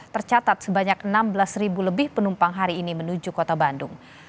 tercatat sebanyak enam belas lebih penumpang hari ini menuju kota bandung